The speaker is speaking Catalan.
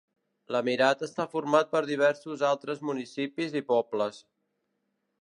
L'emirat està format per diversos altres municipis i pobles.